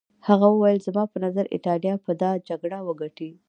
هغه وویل زما په نظر ایټالیا به دا جګړه وګټي.